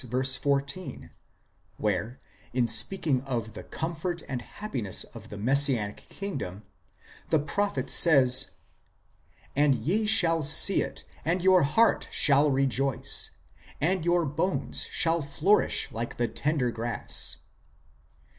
14, where, in speaking of the comfort and happiness of the Messianic Kingdom, the prophet says :" And ye shall see it, and your heart shall rejoice, and your bones shall flourish like the tender grass.